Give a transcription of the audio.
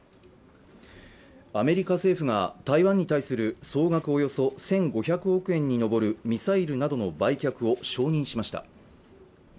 アメリカ政府が台湾に対する総額およそ１５００億円に上るミサイルなどの売却を承認しました